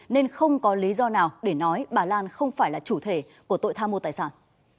nên không có lý do nào để nói bà lan không phải là chủ thể của tội tham mô tài sản